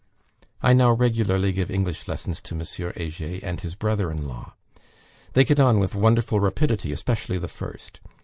I now regularly give English lessons to M. Heger and his brother in law. They get on with wonderful rapidity; especially the first.